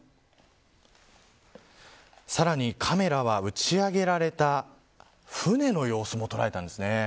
さらにカメラは打ち上げられた舟の様子も捉えたんですね。